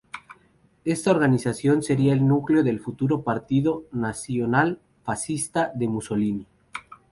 Esta organización sería el núcleo del futuro Partido Nacional Fascista de Mussolini.